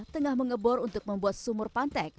tengah mengebor untuk membuat sumur pantek